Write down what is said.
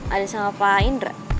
ada sama pak indra